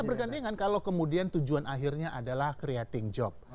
bergandengan kalau kemudian tujuan akhirnya adalah creating job